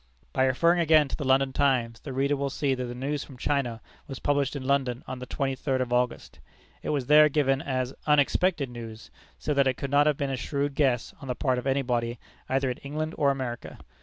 By referring again to the London Times, the reader will see that the news from China was published in London on the twenty third of August. It was there given as unexpected news, so that it could not have been a shrewd guess on the part of anybody either in England or America.